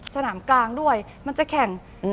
สนามกลางด้วยมันจะแข่ง